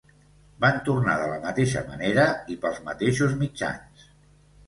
Van tornar de la mateixa manera i pels mateixos mitjans.